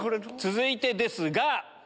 続いてですが。